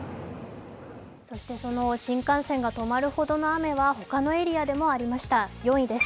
その新幹線が止まるほどの雨は他のエリアでもありました、４位です。